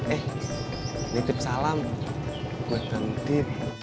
eh nitip salam buat bang budi